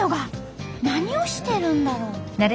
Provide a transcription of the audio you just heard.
何をしてるんだろう？